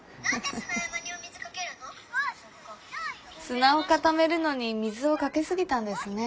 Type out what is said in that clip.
砂を固めるのに水をかけ過ぎたんですね。